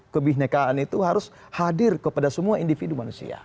kebihnekaan itu harus hadir kepada semua individu manusia